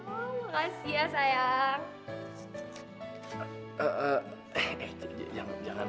oke makasih ya sayang